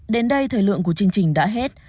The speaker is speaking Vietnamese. đến đây thời lượng của chương trình đã hết